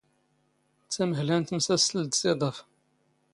ⵜⴰⵎⵀⵍⴰ ⵏ ⵜⵎⵙⴰⵙⵜⵍⵜ ⴷ ⵜⵉⴹⴰⴼ.